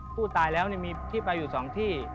ผู้ตายแล้วมีที่ไปอยู่๒ที่